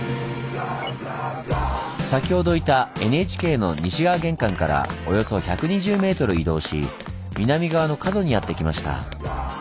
先ほどいたＮＨＫの西側玄関からおよそ１２０ｍ移動し南側の角にやって来ました。